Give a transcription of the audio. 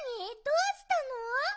どうしたの？